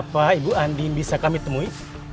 apa ibu andien bisa kami temui